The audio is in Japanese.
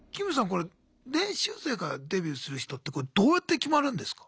これ練習生からデビューする人ってどうやって決まるんですか？